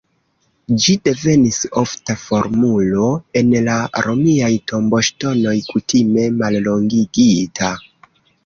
Ĝi devenis ofta formulo en la romiaj tomboŝtonoj, kutime mallongigita.